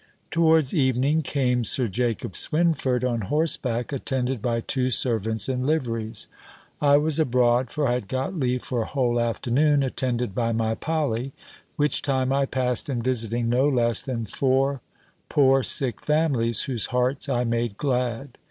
Towards evening came Sir Jacob Swynford, on horseback, attended by two servants in liveries. I was abroad; for I had got leave for a whole afternoon, attended by my Polly; which time I passed in visiting no less than four poor sick families, whose hearts I made glad.